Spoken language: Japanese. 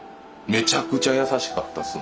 めちゃくちゃ優しかったっすね。